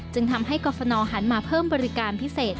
จึงทำให้กรฟนหันมาเพิ่มบริการพิเศษ